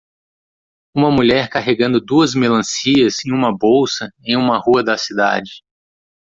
Uma mulher carregando duas melancias e uma bolsa em uma rua da cidade.